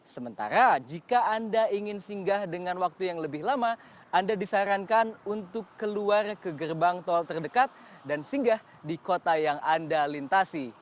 sementara jika anda ingin singgah dengan waktu yang lebih lama anda disarankan untuk keluar ke gerbang tol terdekat dan singgah di kota yang anda lintasi